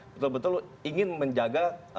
betul betul ingin menjaga